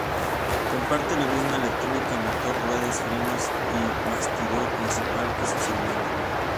Comparte la misma electrónica, motor, ruedas, frenos y bastidor principal que sus hermanas.